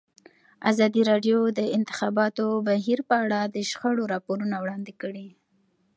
ازادي راډیو د د انتخاباتو بهیر په اړه د شخړو راپورونه وړاندې کړي.